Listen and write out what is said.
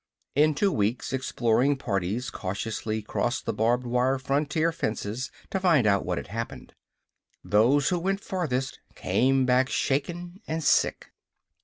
In two weeks, exploring parties cautiously crossed the barbed wire frontier fences to find out what had happened. Those who went farthest came back shaken and sick.